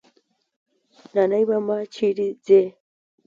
نانی ماما چيري ځې؟